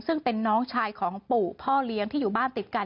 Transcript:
ซึ่งเป็นน้องชายของปู่พ่อเลี้ยงที่อยู่บ้านติดกัน